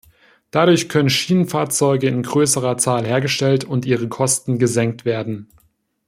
Dadurch können Schienenfahrzeuge in größerer Zahl hergestellt und ihre Kosten gesenkt werden.